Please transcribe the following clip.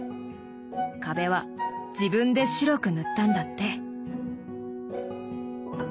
壁は自分で白く塗ったんだって。